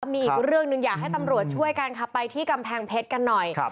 มีอีกเรื่องหนึ่งอยากให้ตำรวจช่วยกันค่ะไปที่กำแพงเพชรกันหน่อย